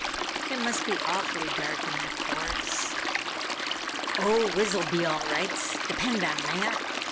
"It must be awfully dark in that forest." "Oh, Wiz'll be all rights depend on that!"